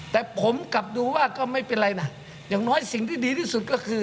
แต่ผมกลับดูว่าก็ไม่เป็นไรนะอย่างน้อยสิ่งที่ดีที่สุดก็คือ